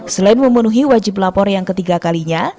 selain memenuhi wajib lapor yang ketiga kalinya